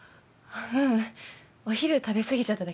ううん。お昼食べ過ぎちゃっただけ。